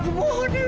mama wayang di sini